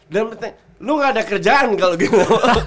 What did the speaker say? dan lo gak ada kerjaan kalau gitu